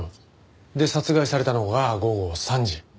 で殺害されたのが午後３時。